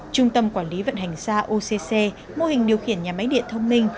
trung tâm quản lý vận hành xa occ mô hình điều khiển nhà máy điện thông minh